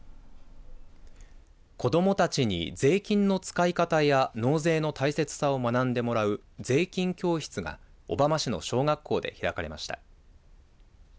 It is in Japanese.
子どもたちに税金の使い方や納税の大切さを学んでもらう税金教室が小浜市の小学校で開かれました。